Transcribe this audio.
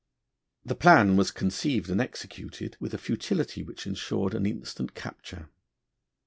The plan was conceived and executed with a futility which ensured an instant capture.